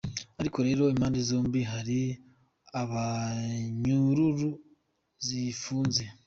Ariko rero impande zombi hari abanyururu zigifunze.